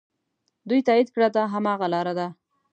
دوی تایید کړه دا هماغه لاره ده.